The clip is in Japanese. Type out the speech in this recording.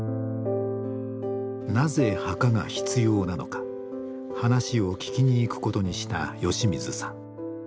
なぜ墓が必要なのか話を聞きにいくことにした吉水さん。